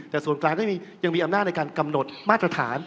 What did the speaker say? แต่ส่วนกลางก็ยังมีอำนาจในการกำหนดมาตรฐาน